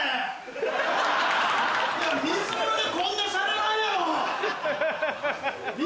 水風呂でこんなしゃべらんやろ！